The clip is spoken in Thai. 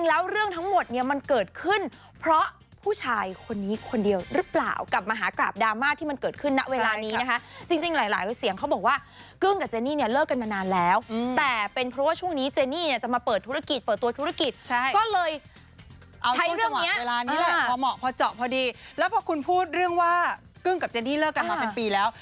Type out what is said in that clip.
แล้วพอคุณพูดเรื่องว่ากึ้งกับเจนนี่เลิกกันมาเป็นปีแล้ว